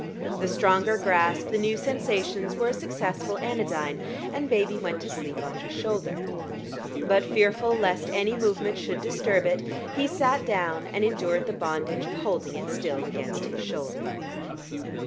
The stronger grasp, the new sensations, were a successful anodyne, and baby went to sleep on his shoulder. But fearful lest any movement should disturb it, he sat down, and endured the bondage of holding it still against his shoulder.